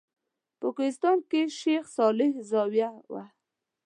په کوهستان کې د شیخ صالح زاویه وه.